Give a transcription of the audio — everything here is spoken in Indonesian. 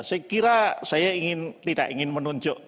saya kira saya tidak ingin menunjuk